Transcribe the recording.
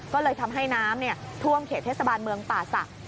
ก็เลยทำให้น้ำท่วมเขตเทศบาลเมืองป่าศักดิ